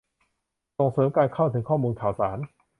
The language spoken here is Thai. ส่งเสริมการเข้าถึงข้อมูลข่าวสาร